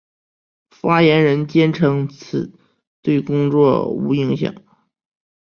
发言人坚称此对工作无影响。